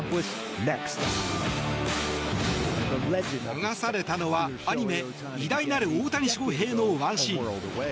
流されたのはアニメ「偉大なる大谷翔平」のワンシーン。